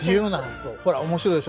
ほら面白いでしょ？